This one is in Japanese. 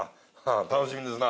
楽しみですな。